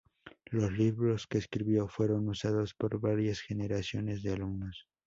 Los libros que escribió fueron usados por varias generaciones de alumnos.